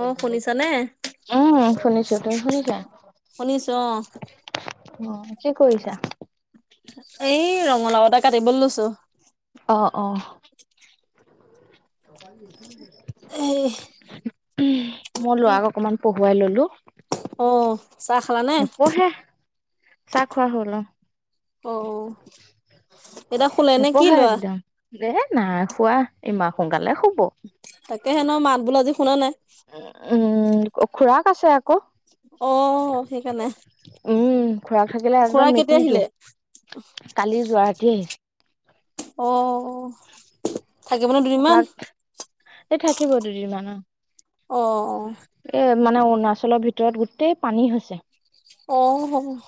অঁ শুনিছা নে? উম শুনিছো। তুমি শুনিছা? শুনিছো অ অ কি কৰিছা? এই ৰঙালাও এটা কাটিবলৈ লৈছো। অ' অহ'। হেৰি উম্ মোৰ লৰাক অকমান পঢ়োৱাই ললো। অ'। চাহ খালানে? নপঢ়ে, চাহ খোৱা হ'ল অঁ। অ' এতিয়া শুলে নে কি লৰা? এই নাই শুৱা এইমান সোনকালে শুব। তাকে হে নো মাত বোল আজি শুনা নাই? উ উম খুৰাক আছে আক'। অ সেইকাৰণে উম খুৰাক থাকিলে খুৰা একদম কেতিয়া আহিলে? মেকুৰীটো। কালি যোৱা ৰাতি আহিছে। অ'হ। খুৰাক এই থাকিব দুদিনমান অঁ। অ'। এ মানে অৰুণাচলৰ ভিতৰত গোটেই পানী হৈছে। অহ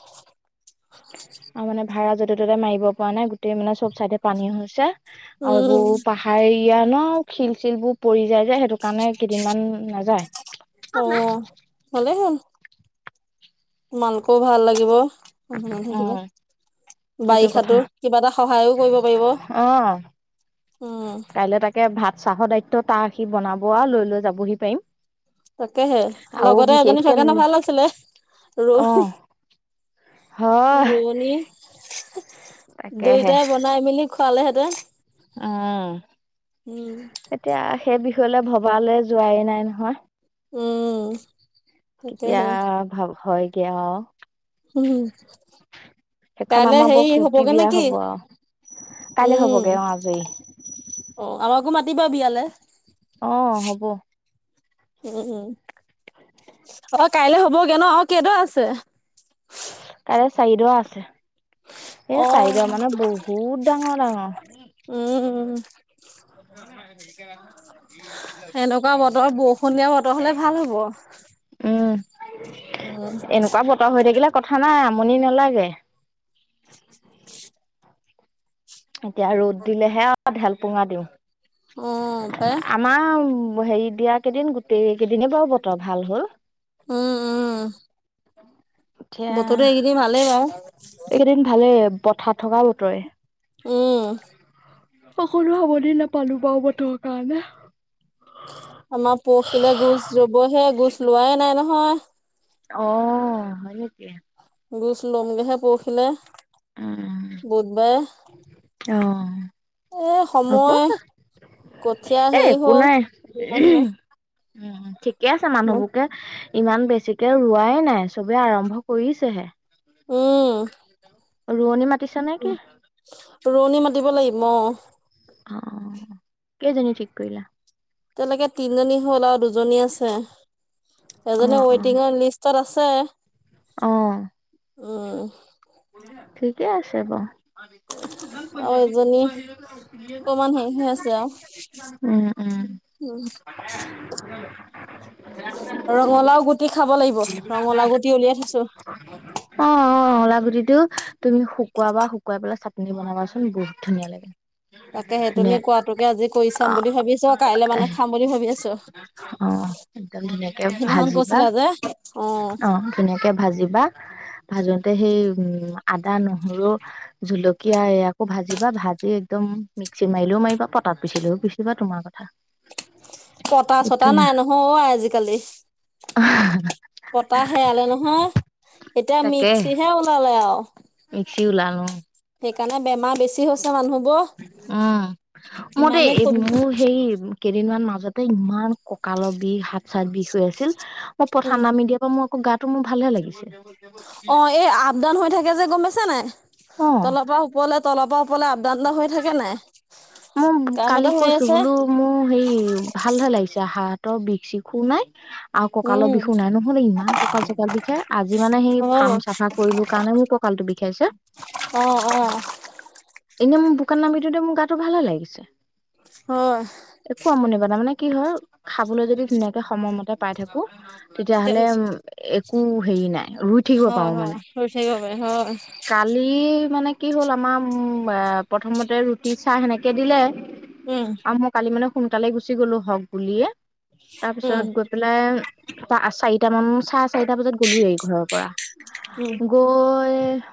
আৰু মানে ভাড়া যতে ত'তে মাৰিব পৰা নাই গোটেই মানে চব চাইডে পানী হৈছে। আৰু উম এইবোৰ পাহাৰ এৰিয়া ন শিল-চিলবোৰ পৰি যায় যে সেইটো কাৰণে কেইদিনমান নাযায় অ ভালে হ'ল। তোমালোকেও ভাল লাগিব মানুহজন অ থাকিলে। সেইটো বাৰিষাতো কথা কিবা এটা সহায়ও কৰিব পাৰিব উম। কাইলৈ তাকে ভাত চাহৰ দায়িত্ব তাৰ সি বনাবও আৰু লৈ লৈ যাবহি পাৰিম। তাকেহে আৰু লগতে এজনী বিশেষকে থাকে নো ভাল আছিলে অ ৰৈ হয় ৰোৱনী তাকেহে দুইটাই বন নাই মেলি খোৱালেহেঁতে উম এতিয়া সেই বিষয়লৈ ভবালৈ যোৱাই নাই নহয়। উম কেতিয়া তাকেহে ভাব হয়গে আউ উম। সেইখন কাইলে আমাৰ বৰ হেৰি ফূৰ্তি হ'বগে বিয়া নেকি হব আৰু কাইলৈ উম। হ'বগে অ আজৰি অ আমাকো মাতিবা বিয়ালে। অ হ'ব। উম অ কাইলে হ'বগে ন আউ কেইটা আছে? তাৰে চাৰিডোৱা আছে। এ অ চাৰিডোৱা মানে ব বহুত ডাঙৰ ডাঙৰ উম [unintelligible] এনেকুৱা বতৰত বৰষুণীয়া বতৰ হ'লে ভাল হ'ব। উম উম এনেকুৱা বতৰ হৈ থাকিলে কথা নাই আমনি নেলাগে। এতিয়া ৰ'দ দিলেহে আউ ঢাল পোঙা দিওঁ অ পাই আমাৰ হেৰি দিয়া কেইদিন গোটেই কেইদনে বাৰু বতৰ ভাল হ'ল। উম উম। এতিয়া বতৰতো এইকেইদিন ভালেই বাৰু এইকেইদিন ভালেই পথাৰত থকা বতৰে। উম। অকলো সাৱধী নাপালো বাৰু বতৰৰ কাৰণে। আমাৰ পৰখিলে গুছ লবহে গুছ ৰোৱাই নাই নহয়। অ হয় নেকি। গুছ ল'মগেহে পৰখিলে উম বুধবাৰে অ এ হ'ব সময় কঠীয়া এ হেৰি একো হ'ল নাই উম ঠিকে আছে মানুহবোৰকে ইমান বেছিকে ৰুৱাই নাই, চবে আৰম্ভ কৰিছেহে। উম। ৰুৱনী মাতিছে নেকি? ৰুৱনী মাতিব লাগিব অ। অ কেইজনী ঠিক কৰিলা? তেনেকে তিনজনী হ'ল আৰু দুজনী আছে, অ এজনী অ ৱেটিঙৰ লিষ্ট তত আছে, অ উম। ঠিকে আছে বাউ। আৰু এজনী অকমান হেৰি হৈ [unintelligible] আছে উম উম ৰঙালাও গুটি খাব লাগিব, ৰঙালাও গুটি উলিয়াই থৈছো। অঁ অঁ ৰঙালাও গুটিটো তুমি শুকোৱাবা, শুকুৱাই পেলাই চাটনি বনাবাচোন বহুত ধুনীয়া লাগে। তাকে সেই তুমি ধুনীয়া কোৱাটোকে আজি কৰি অ চাম বুলি ভাবিছোঁ, কাইলে মানে খাম বুলি ভাবি আছোঁ। অঁ একদম ধুনীয়াকে ভাজিবা, কৈছিলা যে অ অঁ ধুনীয়াকে ভাজিবা। ভাজোতে সেই উম আদা, নহৰু জলকীয়া এ আকৌ ভাজিবা, ভাজি একদম মিক্সিত মাৰিলেও মাৰিবা, পটাত পিচিলেও পিচিবা তোমাৰ কথা। [inaudible] পটা বহুত চটা ধুনীয়া নাই নহয় অ আজিকালি। পটা হেৰালে নহয়, এতিয়া তাকে মিক্সিহে ওলালে আৰু। মিক্সি ওলাল, উম। সেইকাৰণে বেমাৰ বেছি হৈছে মানুহবোৰৰ। উম, মোৰ দেই এই সুবিধা মোৰ সেই কেইদিনমান মাজতে ইমান কঁকালৰ বিষ, হাত চাত বিষ হৈ আছিল, মই উম পথাৰত নামি দিয়াত মোৰ আকৌ গাটো মোৰ ভালে লাগিছে। অ এই আপ ডাউন হৈ থাকে যে গম পাইছা নাই? অ তলৰ পৰা ও পৰলে তলৰ পৰা ওপৰলে আপ ডাউন এটা হৈ থাকে নাই। উম, কাম কালি এটা হৈ কৈছো আছে বোলো মোৰ হেৰি ভালহে লাগিছে, হাতৰ বিষ চিষো নাই। আৰু কঁকালৰ উম বিষো নাই নহয়, ইমান কঁকাল চকাল বিষায়। আজি মানে সেই অ ফাৰ্ম চাফা কৰিলো কাৰণে মোৰ কঁ কালটো বিষাইছে। অ অ এনেই মোৰ বোকাত নামি দিওঁতে মোৰ গাটো ভালে লাগিছে। হয়। একো আমনি কৰা নাই। তাৰ মানে কি হ'ল খাবলৈ যদি ধুনীয়াকে সময়মতে পাই থাকো তেতিয়া হ'লে উম একো হেৰি নাই, ৰুই থাকিব পাৰোঁ হয় মানে। হৈ থাকিব পাৰে হয় কালি মানে কি হ'ল আমাৰ উম এ প্ৰথমতে ৰুটি, চাহ সেনেকে দিলে। উম আৰু মই কালি মানে সোনকালে গুচি গ'লো হওঁক বুলিয়ে, তাৰ পিছত উম গৈ পেলাই পা চাৰিটা মান চাৰে চাৰিটা বজাত গ'লোয়েই ঘৰৰ পৰা, উম গৈ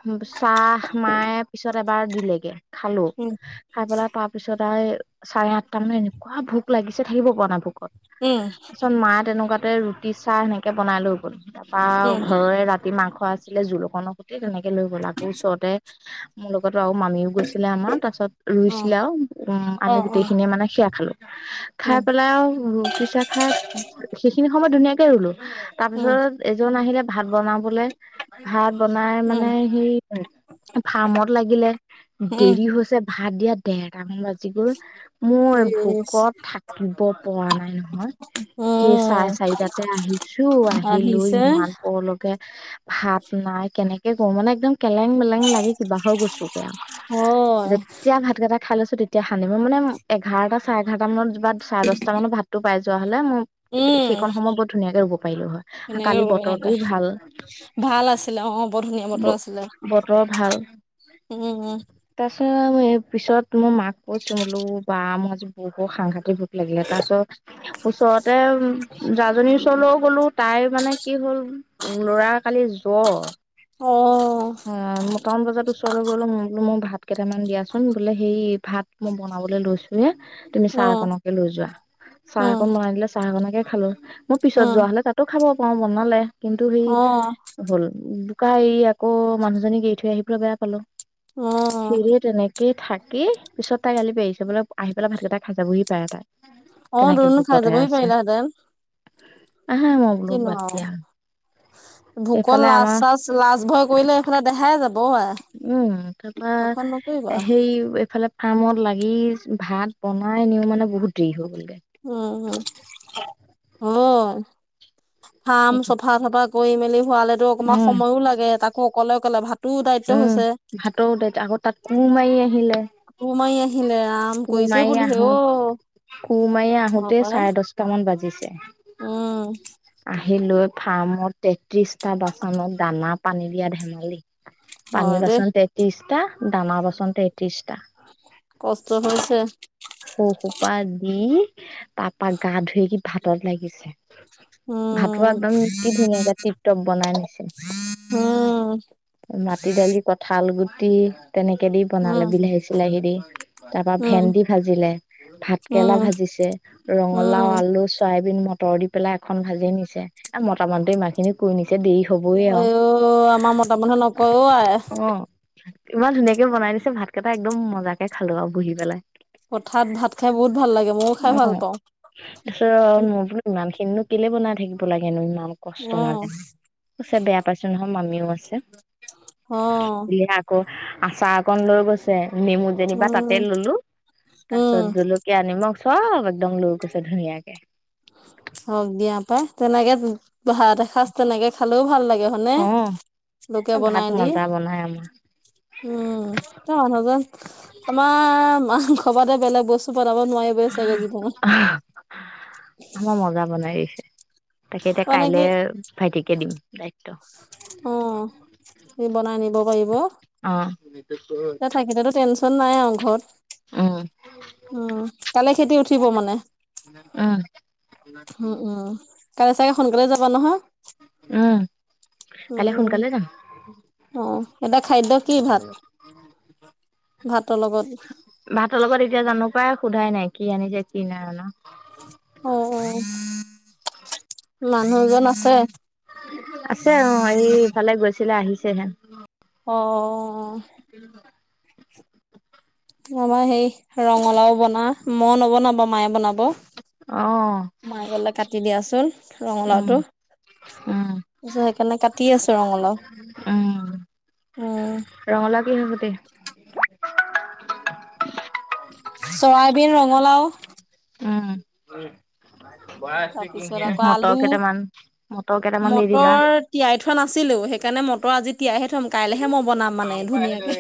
উম চাহ মায়ে পিছত এবাৰ দিলেগে, খালো। উম। খাই পেলাই তাৰ পিছত আৰু চাৰে আঠটা মানত এনেকুৱা ভোক লাগিছে থাকিব পৰা নাই ভোকত। উম পিছত মায়ে তেনেকুৱাতে ৰুটি, চাহ সেনেকে বনাই লৈ গ'ল। তাৰপা উম ঘৰৰে ৰাতি মাংস আছিলে জোল অকণৰ সৈতে তেনেকে লৈ গ'ল। আকৌ ওচৰতে মোৰ লগতো আৰু মামীও গৈছিলে আমাৰ। তাৰ পিছত অ ৰুইছিলে আও উম অ আমি অ গোটেই খিনিয়ে মানে সেয়া খালো। খাই উম পেলাই আৰু ৰুটি, চাহ খাই, সেইখিনি সময়ত ধুনীয়াকে ৰুলো। তাৰ উম পিছত এজন আহিলে ভাত বনাবলে। ভাত বনাই উম মানে সি ফাৰ্মত লাগিলে, উম দেৰি হৈছে। ভাত দিয়াত ডেৰটা মান বাজি গ'ল। মই ইচ ভোকত থাকিব পৰা নাই নহয়, অ সেই চাৰে চাৰিটাতে আহিছ ছো। আহিলৈ আহিছে ইমান পৰলৈকে ভাত নাই কেনেকে কওঁ মানে একদম কেলেং মেলেং লাগি কিবা হৈ গৈছোগে আৰু। হয় যে এতিয়া ভাতকেইটা খাই লৈছো তেতিয়া শান্তি। মই মানে এঘাৰটা চাৰে এঘাৰটা মানত বাত চাৰে দশটা মানত ভাতটো পাই যোৱা হ'লে মো, উম সেইকন সময় বহত ধুনীয়াকে শুৱ পাৰিলো হয়। কালি তেনেকে বতৰটোও ভাল। ভাল আছিলে অৱ বৰ ধুনীয়া বতৰ আছিলে। বতৰ উম, উম। তাৰ পিছত মই এই পিছত মই মাক কৈছো বোলো বা মই আজি বহুত সাংঘাতিক ভোক লাগিলে। তাৰ পাছত ওচৰতে জাজনীৰ ওচৰলৈও গ'লো তাইৰ মানে কি হ'ল, ল'ৰা যোৱা কালি জ্বৰ। অ উম, নটামান বজাত ওচৰলৈ গ'লো, মই বোলো মই ভাত কেইটামান দিয়াচোন বোলে সেই ভাত মই বনাবলৈ লৈছো হে তুমি অ চাহকনকে লৈ যোৱা। উম চাহকন বনাই দিলে চাহকনকে খালো মোৰ পিছত যোৱা উম হলে তাত টো খাব পাৰ বনালে কিন্তু সেই অ হ'ল। কালি এই আকৌ মানুহজনীক এৰি থৈ আহি পেলাই বেয়া পালো। অৱ। সিযে তেনেকে থাকেই পিছত তাই গালি পাৰিছে বোলে আহি পেলাই ভাতকেইটা খাই যাবহি পাৰে তাই। অ তেনেকে দুনো খাই ভোকতেই যাবহি আছে, পাৰিলাহেঁতেন আহা মই বোলো বাদ দিয়া। ভোকত এইফালে লাজ আমাৰ চাজ লাজ ভয় কৰিলে এইফালে দেহাই যাব। আই উম, তাৰপৰা শখন নকৰিবা সেই এফালে ফাৰ্মত লাগি ভাত বনাই নিউ মানে বহুত দেৰি হৈ গ'লগে। উম উম, অৱ, ফাৰ্ম সেইটো চফা চাফা কৰি মেলি শুৱালে টো অকণমান উম সময়ো লাগে তাকো অকলে অকলে ভাতোও দায়িত্ব হৈছে। ভাতো দায়িত্ব আগত তাত কোৰ মাৰি আহিলে। কোৰ মাৰি আহিলে ৰাম। কোৰ কৰিছে মাৰি বুলিহে অ আহোঁ কোৰ মাৰি হয় আহোতে পাই চাৰে দশটা মান বাজিছে। উম। আহিলো ফাৰ্মত তেত্ৰিশটা বাচনত দানা পানী দিয়া ধেমালি। হয় পানী দেই বাচন তেত্ৰিশটা দানা বাচন তেত্ৰিশটা। কষ্ট হৈছে। সৌ সোপা দি তাৰপৰা গা ধুই সি ভাতত লাগিছে। ভাতো উম একদম কি ধুনীয়াকে টিপ টপ বনাই আনিছে। উম, মাটি দালি কঁঠাল গুটি তেনেকে দি উম, বনালে বিলাহী চিলাহী দি। তাৰ পৰা উম, ভেন্দি ভাজিলে উম, ভাতকেৰেলা ভাজিছে ৰঙালাও উম, আলু চয়াবিন মটৰ মটৰ দি পেলাই এখন ভাজি নিছে মতা মানুহ টো ইমান খিনি কৰি নিছে দেৰি হ'বই আও, আইও আমাৰ মতা মানুহে নকয় অ' আই অৱ। ইমান ধুনীয়াকে বনাই দিছে ভাতকেইটা একদম মজাকে খালো আৰু বহি পেলাই। পথাত ভাত খাই বহুত ভাল লাগে, মইও খাই অ ভাল পাওঁ। তাৰপিছত মই বোলো ন ইমান খিনি নো কেলে বনাই থাকিব লাগেনো ইমান কষ্ট অ', নাজানি। কৈছে বেয়া পাইছো নহয় মামিও আছে। অৱ। আকৌ আচাৰ অকন লৈ গৈছে নেমু যেনিবা তাতে উম, ললো, তাৰ উম, পিছত জলকীয়া জলকীয়া নিমখ চব একদম লৈ গৈছে ধুনীয়াকে। হওক দিয়া পাই, তেনেকে ভাত এসাঁজ তেনেকে খালেও ভাল লাগে। হয়নে লোকে ভাত বনাই দি। মজা বনাই আমাৰ, উম, তেওঁ মানুহজন আমাৰ মাংস বাদে বেলেগ বস্তু বনাব নোৱাৰিবই চাগে জীৱনত। আম মজা বনাই দিছে। তাকে এতিয়া মানে কাইলে কি ভাইটিকে দিম দায়িত্ব। কি বনাই নিব পাৰিব। অ', তাকেতো টেনচন নাই আও ঘৰত উম, উম কালে খেতি উঠিব মানে। উম উম উম কাইলে চাগে সোনকালে যাবা নহয়। উম উম কাইলে সোনকালে যাম। উম অ এতিয়া খাদ্য কি ভাত। ভাতৰ লগত। ভাতৰ লগত এতিয়া জানো পাই সোধাই নাই কি আনিছে কি নাই আনা। অহ অহ মানুহজন আছে। আছে অহ এই ইফালে গৈছিলে আহিছেহে। অহ'। কিমান টকা। আমাৰ সেই ৰঙালাও বনা, মই নবনাও বাৰু, মায়ে বনাব। অ', মায়ে ক'লে কাটি দিয়াচোন, উম, ৰঙালাওটো। তাৰ উম, পিছত সেইকাৰণে কাটি আছো ৰঙালাউ, উম। ৰঙলাও কিহৰ কুটি। চৰাইবিন ৰঙালাও। উম। তাৰপিছত আকৌ মটৰ আলু কেইটামান মটৰ কেইটামান দি মটৰ। তিয়াই থোৱা নাছিলেই সেই কানে মটৰ আজি তিয়াইহে থয়। কাইলেহে মই বনাম মানে ধুনীয়াকে,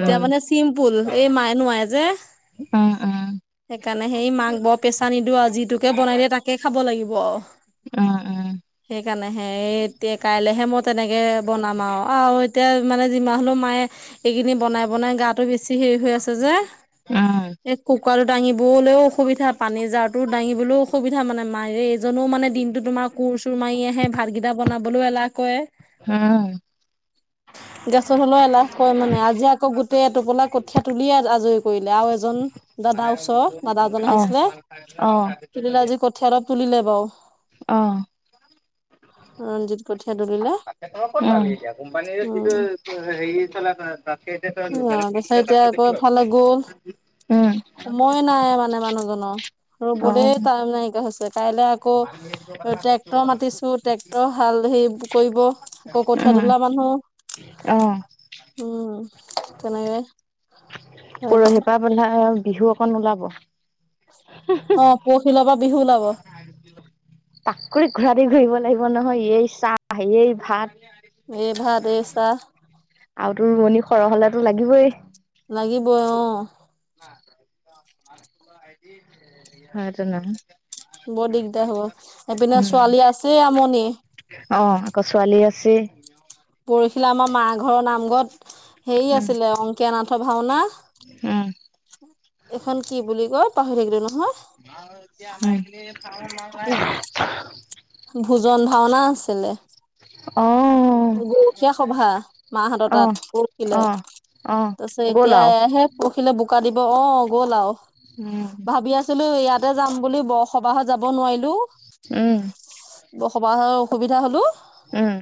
এতিয়া উম, মানে চিম্পুল এই মায়ে নোৱাৰে যে। উম, উম। সেইকাৰণে সেই মাক বৰ প্ৰেছাৰ নিদিওঁ আৰু যিটোকে বনাই দিয়ে, তাকে খাব লাগিব আও। উম, উম। সেইকাৰণেহে এ-এতিয়া কাইলেহে মই তেনেকে বনাম আও। আও। তেওঁ মানে যিমান হ'লেও মায়ে। এই কেইদিন বনাই-বনাই গাটো বেছি হেৰি হৈ আছে যে। উম, এই কুকাৰটো দাঙিবলৈও অসুবিধা, পানী যাৰটো দাঙিবলৈও অসুবিধা মানে, মাযে। মানুহজানো মানে দিনতো তোমাৰ কোৰ-চোৰ মাৰি আহে, ভাতকেইটা বনাবলৈও এলাহ কৰে। উম। গেছত হ'লেও এলাহ কৰে মানে আজি আকৌ গোটেই এটোপোলা কঠিয়া তুলিয়ে আজৰি কৰিলে আৰু এজন দাদা ওচৰ দাদা এজন আহিছিলে। অহ'। তুলিলে, আজি কঠিয়া অলপ তুলিলে বাৰু। অহ'। ৰঞ্জিত কঠিয়া তুলিলে। তই ক'ত পাবি উম এতিয়া কোম্পানীয়ে যিটো উম হেৰি চলাই তই তাকে এতিয়া লোকেলত কিনিলে দাম তেওঁ আকৌ এফালে গ'ল, সময় নাই মানে মানুহজনৰ। অ', ৰবলেই টাইম নাইকিয়া হৈছে, কাইলে আকৌ। ট্ৰেক্টৰৰ মাতিছো, ট্ৰেক্টৰ হাল হেৰি কৰিব, আকৌ কঠীয়া তোলা মানুহ- অহ। উম, তেনেকে হ। পৰহি শিপা বন্ধা বিহু অকণ ওলাব। অহ' পৰহি পৰা বিহু ওলাব। টাকুৰি ঘূৰা দি ঘূৰিব লাগিব নহয়, এই চাহ, এই ভাত। এই ভাত, এই চাহ। আৰু তোৰ ৰোৱনী সৰহ হ'লোতো লাগিবই। লাগিবই অ'। আৰু এজন মানুহ বৰ দিগদাৰ হ'ব, এইপিনে উম, ছোৱালী আছেই আমনি। অ' আকৌ ছোৱালী আছেই। পৰহিলে আমাৰ মা ঘৰৰ নামঘৰত হেৰি উম, আছিলে, অংকীয়া নাথৰ ভাওনা। উম। এখন কি বুলি কয়, পাহৰি থাকিলো নহয়। [unintelligible] ভোজন ভাওনা আছিলে। অহ'। গৰখীয়া সভা মাহত তাত, পৰহিলে। অ', অ', তাৰপিছত গ'ল এতিয়া আৰু এইয়াহে, পৰহিলে বোকা দিব অ' গ'ল আৰু। উম। ভাবি আছিলো, ইয়াতে যাম বুলি বৰ-সবাহত যাব নোৱাৰিলো। উম বসবাহ অসুবিধা হ'লো উম,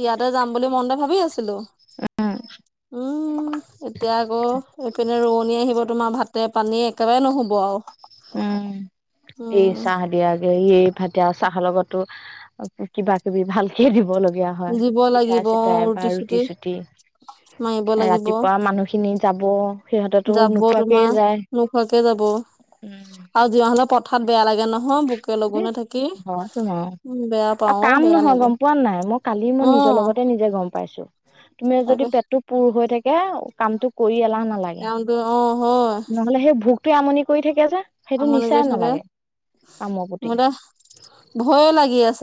ইয়াতে যাম বুলি মনতে ভাবি আছিলো উম এতিয়া আকৌ এইপিনে ৰোৱনী আহিব তোমাৰ ভাতে পানীয়ে একেবাৰে নহব আৰু উম এই উম চাহ দিয়াগে এই ভাতে আৰু চাহৰ লগতো কিবা কিবি ভালকে দিব লগীয়া হয়। হয় পিঠা চিঠাই বা ৰুটি চুটি মাৰিব লাগিব ৰাতিপুৱা মানুহ খিনি যাব সিহঁতেতো যাব নোখোৱাকেই তোমাৰ যায় নোখোৱাকে যাব আৰু যিমান হ'লেও পথাৰত বেয়া লাগে নহয় বুকে লগুনে থাকি ঘৰটো ন উম বেয়া পাও আৰু অ কাম বেয়া নহয় লাগে গম পোৱা নাই মোক কালি অ মই নিজৰ লগতে নিজে গম পাইছোঁ। তুমি তাকে যদি পেটটো পুৰ হৈ থাকে কামতটো কৰি এলাহ নালাগে। কামটো অ হয় নহলে সেই ভোকটোৱে আমনি কৰি থাকে যে সেইটো আমনি কৰি নিচাই থাকে নালাগে। কামৰ প্ৰতি মোৰ টৌ ভয়ে লাগি আছে।